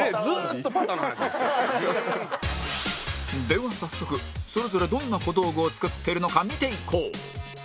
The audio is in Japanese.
では早速それぞれどんな小道具を作ってるのか見ていこう